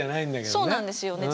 そうなんですよね。